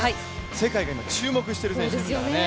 世界が今、注目している選手ですからね。